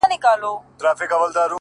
هغې ويل اور _